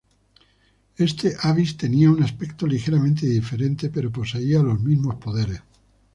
Este Abyss tenía un aspecto ligeramente diferente, pero poseía los mismos poderes.